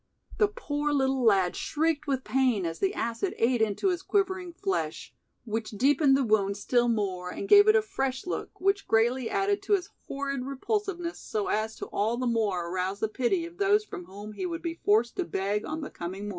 The poor little lad shrieked with pain as the acid ate into his quivering flesh, which deepened the wound still more and gave it a "fresh" look, which greatly added to its horrid repulsiveness so as to all the more arouse the pity of those from whom he would be forced to beg on the coming morning.